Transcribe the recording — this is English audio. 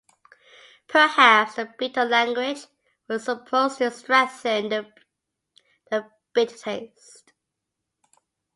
Perhaps the bitter language was supposed to strengthen the bitter taste.